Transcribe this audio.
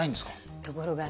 ところがね。